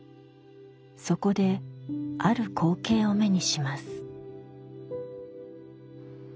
そこである光景を目にします。